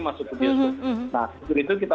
masuk ke bioskop nah untuk itu kita